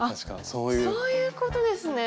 そういうことですね。